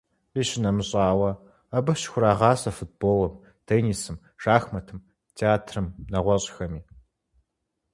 Къищынэмыщӏауэ, абы щыхурагъасэ футболым, теннисым, шахматым, театрым нэгъуэщӏхэми.